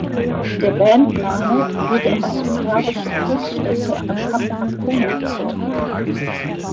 Der Bandname geht auf eine slawische Kultstätte am Kap Arkona zurück.